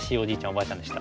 おばあちゃんでした。